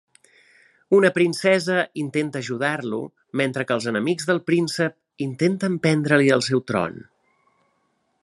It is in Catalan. Una princesa intenta ajudar-lo mentre que els enemics del príncep intenten prendre-li el seu tron.